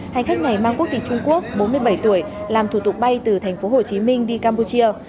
hành khách này mang quốc tịch trung quốc bốn mươi bảy tuổi làm thủ tục bay từ thành phố hồ chí minh đi campuchia